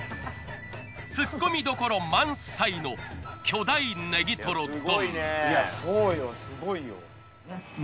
ツッコミどころ満載の巨大ネギトロ丼。